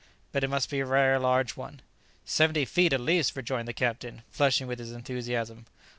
But it must be a rare large one." "Seventy feet, at least!" rejoined the captain, flushing with his enthusiasm.